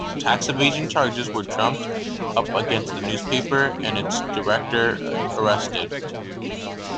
Tax-evasion charges were trumped up against the newspaper and its director arrested.